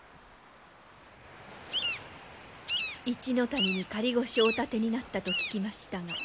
一ノ谷に仮御所をお建てになったと聞きましたが。